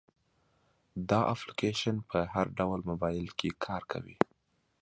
دا اپلیکیشن په هر ډول موبایل کې کار کوي.